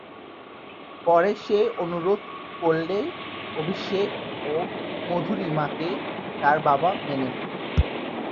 পরে সে অনুরোধ করলে "অভিষেক" ও "মধুরিমা"কে তার বাবা মেনে নেয়।